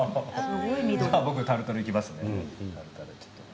僕はタルタルいきますね。